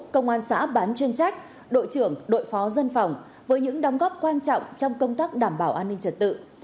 công an xã bán chuyên trách đội trưởng đội phó dân phòng với những đóng góp quan trọng trong công tác đảm bảo an ninh trật tự